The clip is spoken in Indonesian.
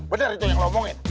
bener itu yang lu omongin